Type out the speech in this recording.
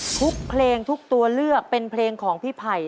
ทุกเพลงทุกตัวเลือกเป็นเพลงของพี่ไผ่